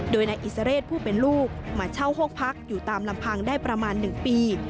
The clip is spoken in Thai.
โดยนายอิสเรศผู้เป็นลูกมาเช่าห้องพักอยู่ตามลำพังได้ประมาณ๑ปี